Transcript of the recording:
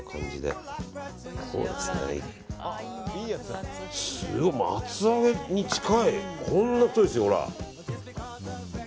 すごい、厚揚げに近いこんなに太いですよ、ほら。